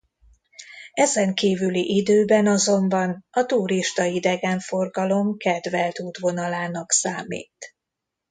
Ezen kívüli időben azonban a turista-idegenforgalom kedvelt útvonalának számít.